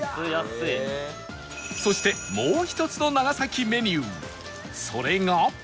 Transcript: そしてもう一つの長崎メニューそれが